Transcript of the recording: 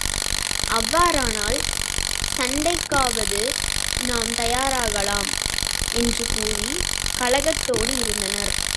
அவ்வாறானால், சண்டைக்காவது நாம் தயாராகலாம் என்று கூறி கலக்கத்தோடு இருந்தனர்.